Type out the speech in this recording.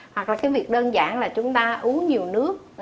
hoặc là cái việc đơn giản là chúng ta uống nhiều nước